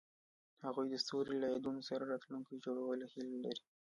هغوی د ستوري له یادونو سره راتلونکی جوړولو هیله لرله.